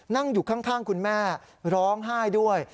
นั่งอยู่ข้างคุณแม่ร้องไห้ด้วย